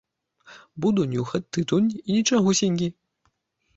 Буду нюхаць тытунь, і нічагусенькі!